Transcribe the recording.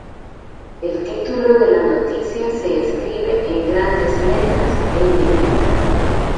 El título de la noticia se escribe en grandes letras en negrita.